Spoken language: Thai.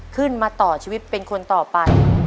ขึ้นมาต่อชีวิตเป็นคนต่อไป